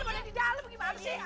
istighfar sudah lah sih